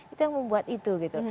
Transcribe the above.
itu yang membuat itu gitu